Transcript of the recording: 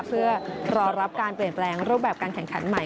เพื่อรอรับการเปลี่ยนแปลงรูปแบบการแข่งขันใหม่